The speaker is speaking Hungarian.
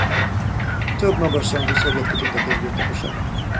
Több magas rangú szovjet kitüntetés birtokosa.